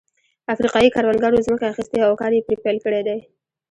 افریقايي کروندګرو ځمکه اخیستې او کار یې پرې پیل کړی دی.